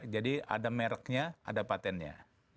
jadi ada merknya ada patentnya